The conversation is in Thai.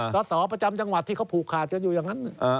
สสประจำจังหวัดที่เขาผูกขาดกันอยู่อย่างนั้น